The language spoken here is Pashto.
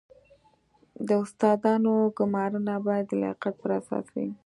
د استادانو ګمارنه باید د لیاقت پر اساس وي